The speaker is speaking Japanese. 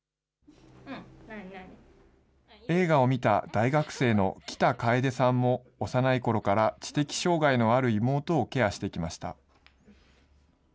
映画を見た大学生の喜多楓さんも、幼いころから知的障害のある妹をケアしてきました。